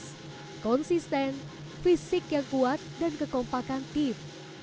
yang konsisten fisik yang kuat dan kekompakan tim